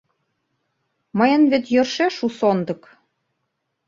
— Мыйын вет йӧршеш у сондык.